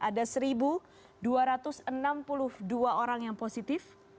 ada satu dua ratus enam puluh dua orang yang positif